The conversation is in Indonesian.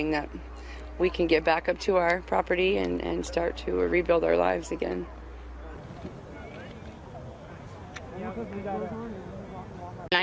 berharap kami bisa kembali ke rumah kami dan mulai membangun kehidupan kami lagi